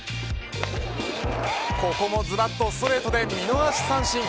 ここもずばっとストレートで見逃し三振。